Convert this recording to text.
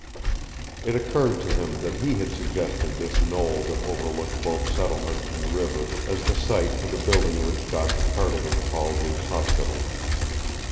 It occurred to him that he had suggested this knoll that overlooked both settlement and river as the site for the building which Dr. Cardigan called his hospital.